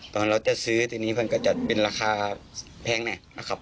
ตอนเราจะซื้อทีนี้มันก็จะเป็นราคาแพงหน่อยนะครับ